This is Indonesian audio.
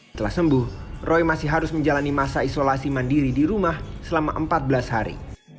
setelah sembuh roy masih harus menjalani masa isolasi mandiri di rumah selama empat belas hari